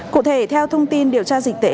cụ thể theo thông tin điều tra dịch tệ